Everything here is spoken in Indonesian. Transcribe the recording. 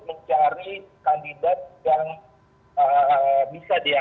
mencari kandidat yang bisa dia